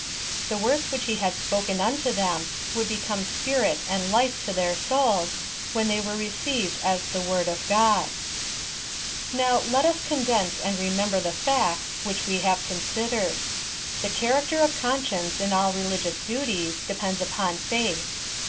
The words which he had spoken unto them would become s])irit and life to their souls, when thev were received as the irord of God, Now, let us condense and remember the factb* V. hich we have considered. The character of Con science in all religious duties depends upon Faith.